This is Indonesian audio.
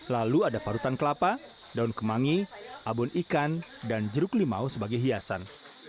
lalu ada parutan kelapa daun kemangi abon ikan dan jeruk limau sebagai hiasan